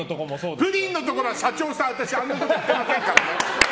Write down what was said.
プリンのところは、社長さんあたしあんなこと言ってませんからね。